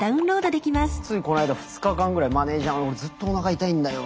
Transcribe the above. ついこの間２日間ぐらいマネージャーに「ずっとおなか痛いんだよ。